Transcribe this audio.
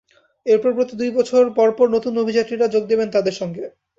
এরপর প্রতি দুই বছর পরপর নতুন অভিযাত্রীরা যোগ দেবেন তাঁদের সঙ্গে।